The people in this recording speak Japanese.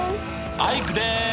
アイクです！